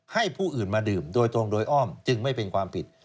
ให้ผู้อื่นมาดื่มโดยตรงโดยอ้อมจึงไม่เป็นความผิด